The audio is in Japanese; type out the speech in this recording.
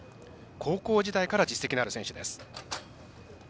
高校時代から実績のある選手です。